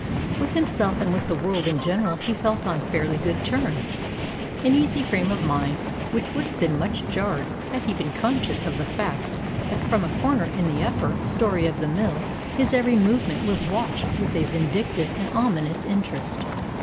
With himself and with the world in general he felt on fairly good terms an easy frame of mind which would have been much jarred had he been conscious of the fact that from a corner in the upper story of the mill his every movement was watched with a vindictive and ominous interest.